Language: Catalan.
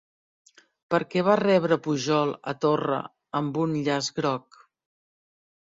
Per què va rebre Pujol a Torra amb un llaç groc?